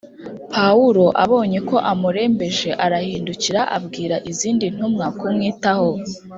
Pawulo abonye ko amurembeje arahindukira abwira izindi ntumwa kumwitaho